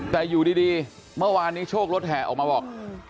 แต่อยู่ดีเมื่อวานนี้โชครถแห่ออกมาบอก